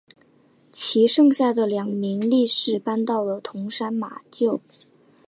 其剩下的两名力士搬到了桐山马厩。